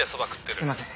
すいません。